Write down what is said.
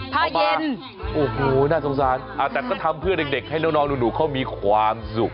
เอามาโอ้โหน่าสงสารแต่ก็ทำเพื่อเด็กให้น้องหนูเขามีความสุข